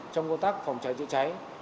trong công tác phòng cháy chữa cháy